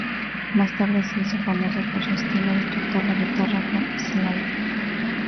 Más tarde se hizo famosa por su estilo de tocar la guitarra con slide.